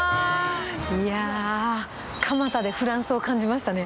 いやー、蒲田でフランスを感じましたね。